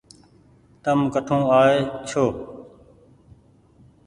تم ڪٺون آئي ڇوٚنٚ